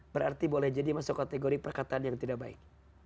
berarti boleh jadi masuk kategori perkataan yang tidak baik